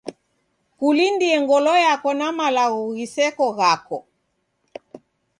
Kulindie ngolo yako na malagho ghiseko ghako.